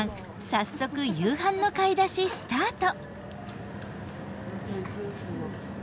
早速夕飯の買い出しスタート！